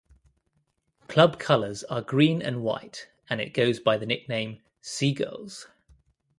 Club colours are Green and White, and it goes by the nickname "Seagulls".